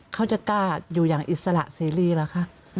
เขาจะกล้าอยู่อย่างอิสระซีรีส์ค่ะ